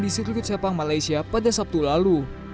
di sirkuit sepang malaysia pada sabtu lalu